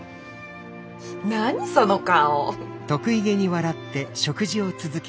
何その顔。